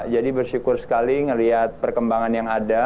jadi bersyukur sekali ngelihat perkembangan yang ada